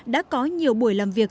đã có nhiều buổi làm việc